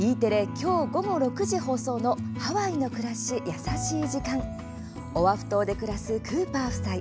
今日午後６時放送の「ハワイの暮らし優しい時間」。オアフ島で暮らすクーパー夫妻。